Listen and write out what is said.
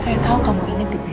saya tahu kampung ini berbeda